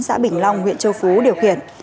xã bình long huyện châu phú điều khiển